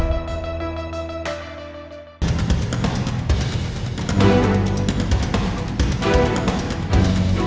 oh apa isi firlik itu